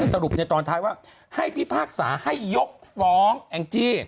สรุปตอนท้ายว่าให้พิพากษาให้ยกฟ้อง